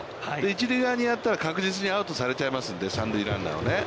一塁側にやったら確実にアウトされちゃいますので、三塁ランナーをね。